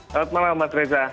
selamat malam mas reza